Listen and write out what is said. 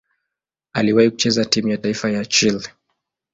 Aliwahi kucheza timu ya taifa ya Chile.